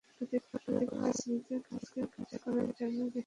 প্রতিবার প্রতি সিরিজে কাজ করার জন্য দেশের বিভিন্ন জেলায় যেতে হয়।